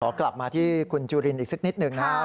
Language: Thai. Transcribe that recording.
กลับมาที่คุณจุลินอีกสักนิดหนึ่งนะครับ